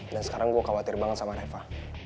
dan sekarang gue khawatir banget sama reva